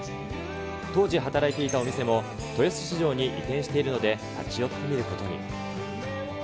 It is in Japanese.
当時、働いていたお店も豊洲市場に移転しているので、立ち寄ってみることに。